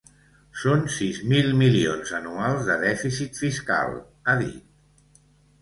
Són sis mil milions anuals de dèficit fiscal, ha dit .